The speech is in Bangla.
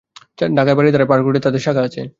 ঢাকার বারিধারায় পার্ক রোডে তাদের শাখা আছে।